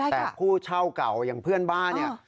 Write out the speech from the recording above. แต่ผู้เช่าเก่าอย่างเพื่อนบ้านเนี่ย